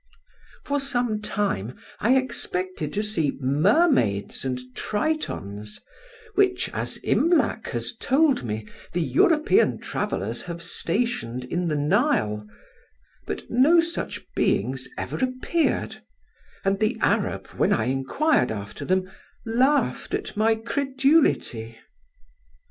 For some time I expected to see mermaids and tritons, which, as Imlac has told me, the European travellers have stationed in the Nile; but no such beings ever appeared, and the Arab, when I inquired after them, laughed at my credulity.